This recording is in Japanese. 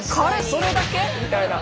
それだけ⁉」みたいな。